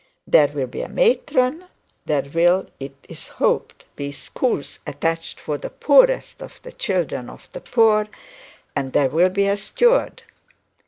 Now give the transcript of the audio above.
There will be a matron; there will, it is hoped, be schools attached for the poorest of the children of the poor, and there will be a steward.